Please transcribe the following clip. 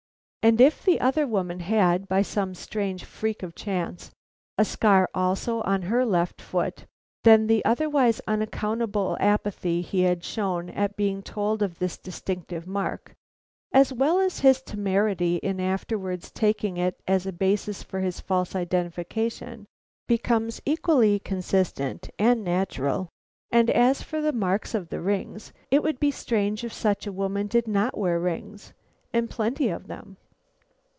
And if the other woman had, by some strange freak of chance, a scar also on her left foot, then the otherwise unaccountable apathy he had shown at being told of this distinctive mark, as well as his temerity in afterwards taking it as a basis for his false identification, becomes equally consistent and natural; and as for the marks of the rings, it would be strange if such a woman did not wear rings and plenty of them.